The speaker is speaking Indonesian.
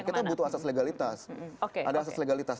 kita butuh asas legalitas ada asas legalitas